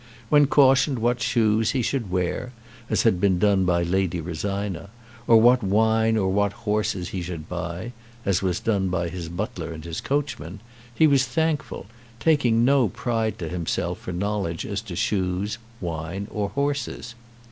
When cautioned what shoes he should wear, as had been done by Lady Rosina, or what wine or what horses he should buy, as was done by his butler and coachman, he was thankful, taking no pride to himself for knowledge as to shoes, wine, or horses.